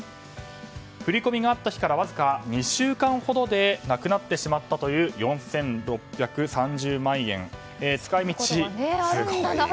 振り込みがあった日からわずか２週間ほどでなくなってしまったという４６３０万円。